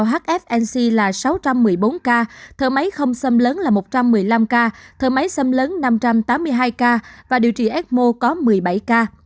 hfnc là sáu trăm một mươi bốn ca thở máy không xâm lấn là một trăm một mươi năm ca thở máy xâm lấn năm trăm tám mươi hai ca và điều trị ecmo có một mươi bảy ca